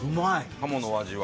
鴨のお味は？